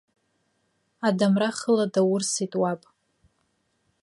Адамра хыла даурсит уаб!